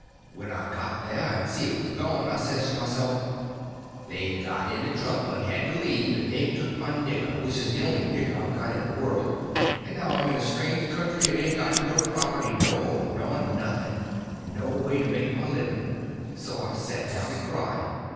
When I got there and see it was gone, I says to myself, 'They've got into trouble and had to leave; and they've took my nigger, which is the only nigger I've got in the world, and now I'm in a strange country, and ain't got no property no more, nor nothing, and no way to make my living;' so I set down and cried.